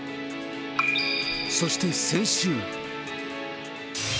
そして先週。